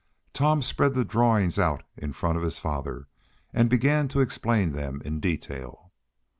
Tom spread the drawings out in front of his father, and began to explain them in detail.